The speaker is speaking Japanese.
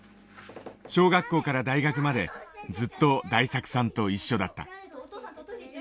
小学校から大学までずっと大作さんと一緒だった。